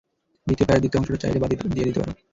দ্বিতীয় প্যারার দ্বিতীয় অংশটা চাইলে বাদ দিয়ে দিতে পারো।